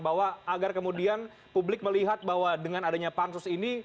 bahwa agar kemudian publik melihat bahwa dengan adanya pansus ini